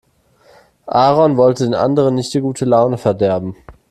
Aaron wollte den anderen nicht die gute Laune verderben.